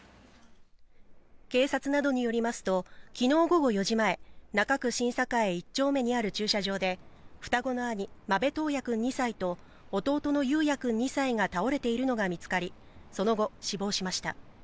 警察などによりますと、きのう午後４時前、中区新栄１丁目にある駐車場で、双子の兄、間部登也くん２歳と弟の雄也くん２歳が倒れているのが見つかり、その後、死亡しました。